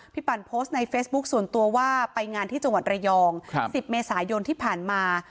ปั่นโพสต์ในเฟซบุ๊คส่วนตัวว่าไปงานที่จังหวัดระยอง๑๐เมษายนที่ผ่านมา